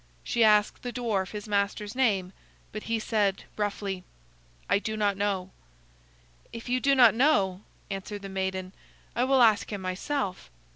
She asked the dwarf his master's name, but he said, roughly: "I do not know." "If you do not know," answered the maiden, "I will ask him myself."